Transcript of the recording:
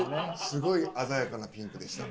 すごい鮮やかなピンクでした。